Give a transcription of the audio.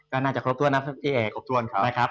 ก็น่าจะครบถ้วนนับที่แอร์ครบถ้วนครับ